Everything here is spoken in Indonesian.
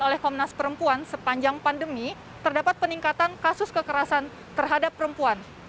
oleh komnas perempuan sepanjang pandemi terdapat peningkatan kasus kekerasan terhadap perempuan